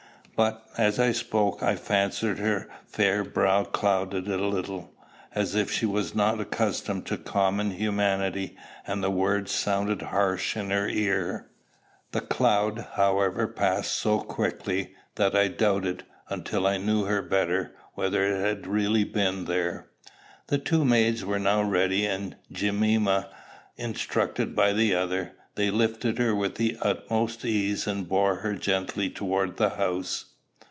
But, as I spoke, I fancied her fair brow clouded a little, as if she was not accustomed to common humanity, and the word sounded harsh in her ear. The cloud, however, passed so quickly that I doubted, until I knew her better, whether it had really been there. The two maids were now ready; and, Jemima instructed by the other, they lifted her with the utmost ease, and bore her gently towards the house.